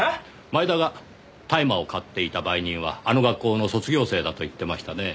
前田が大麻を買っていた売人はあの学校の卒業生だと言ってましたね？